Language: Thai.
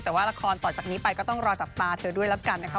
แต่ว่าละครต่อจากนี้ไปก็ต้องรอจับตาเธอด้วยแล้วกันนะคะ